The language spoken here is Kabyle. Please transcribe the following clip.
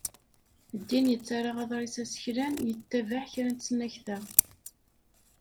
Ddin yettarra aḍris aseklan yettabaɛ kra n tesnakta.